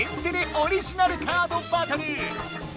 オリジナルカードバトル！